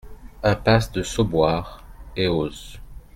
Impasse de Sauboires, Eauze